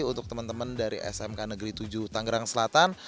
untuk teman teman dari smkn tujuh tangerang selatan